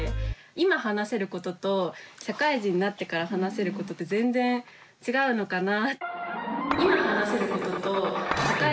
今話せることと社会人になってから話せることって全然違うのかな。